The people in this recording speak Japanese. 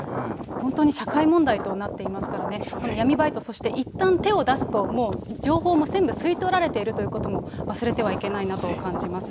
本当に社会問題となっていますからね、この闇バイト、そしていったん手を出すと、もう情報も全部吸い取られているということも忘れてはいけないなと感じます。